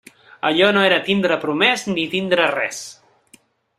Allò no era tindre promès ni tindre res.